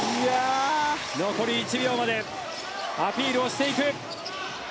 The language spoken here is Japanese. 残り１秒までアピールをしていく。